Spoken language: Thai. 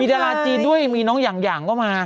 ดาราจีนด้วยมีน้องอย่างก็มา